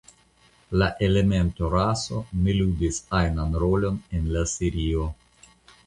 La elemento "raso" ne ludis ajnan rolon en la serio.